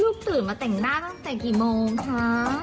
ตื่นมาแต่งหน้าตั้งแต่กี่โมงคะ